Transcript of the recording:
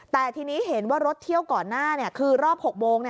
แต่ทีนี้เห็นว่ารถเที่ยวก่อนหน้าคือรอบ๖โมง